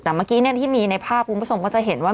แต่เมื่อกี้ที่มีในภาพคุณผู้ชมก็จะเห็นว่า